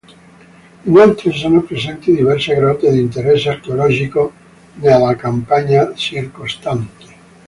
Inoltre sono presenti diverse grotte di interesse archeologico nella campagna circostante.